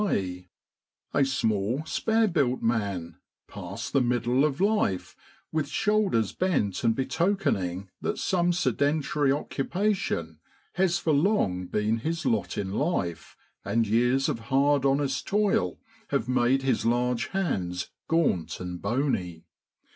way, a small spare built man, past the middle of life, with shoulders bent and be tokening that some sedentary occupation has for long been his lot in life, and years of hard honest toil have made his large hands gaunt and bony.